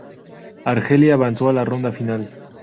Argelia avanzó a la ronda final.